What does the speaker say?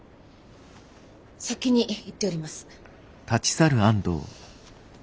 先に行っております。